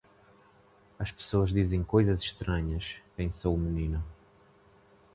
As pessoas dizem coisas estranhas, pensou o menino.